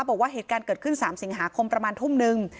บอกว่าเหตุการณ์เกิดขึ้น๓สิงหาคมประมาณทุ่มนึง